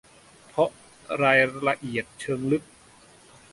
เพราะรายละเอียดเชิงลึก